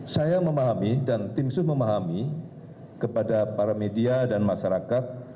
saya yang memahami dan tim sus memahami kepada para media dan masyarakat